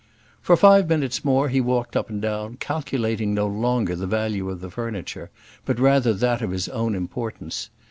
For five minutes more he walked up and down, calculating no longer the value of the furniture, but rather that of his own importance.